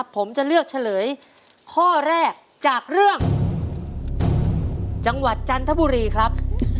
ผมจะเลือกเฉลยข้อแรกจากเรื่องจังหวัดจันทบุรีครับ